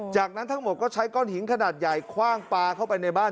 จากนั้นทั้งหมดก็ใช้ก้อนหินขนาดใหญ่คว่างปลาเข้าไปในบ้าน